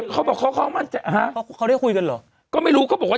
เค้าบอกเค้าเป็นด้านคุยกันหรอก็ไม่รู้เค้าบอกว่า